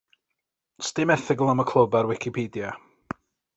'S dim erthygl am y clwb ar Wicipedia.